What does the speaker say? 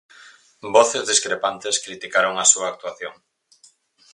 Voces discrepantes criticaron a súa actuación.